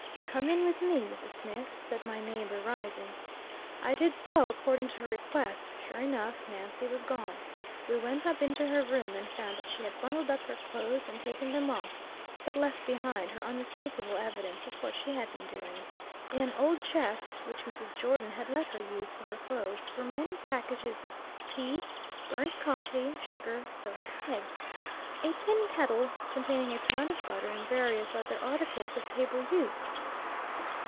"Come in with me, Mrs. Smith," said my neighbor, rising. I did so, according to her request. Sure enough, Nancy was gone. We went up into her room, and found that she had bundled up her clothes and taken them off, but left behind her unmistakable evidence of what she had been doing. In an old chest which Mrs. Jordon had let her use for her clothes were many packages of tea, burnt coffee, sugar, soap, eggs; a tin kettle containing a pound of butter, and various other articles of table use.